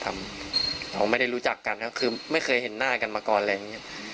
เราไม่ได้รู้จักกันคือไม่เคยเห็นหน้ากันมาก่อน